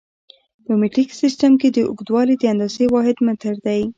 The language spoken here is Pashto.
په مټریک سیسټم کې د اوږدوالي د اندازې واحد متر دی.